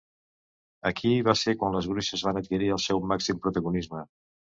Aquí va ser quan les bruixes van adquirir el seu màxim protagonisme.